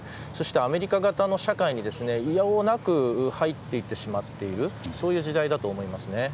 アメリカ型の社会に否応なく入っていってしまっているそういう時代だと思います。